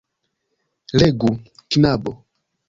Legu, knabo.